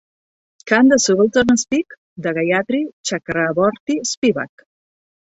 Can the Subaltern Speak? de Gayatri Chakravorty Spivak.